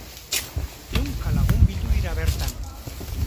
Ehunka lagun bildu dira bertan.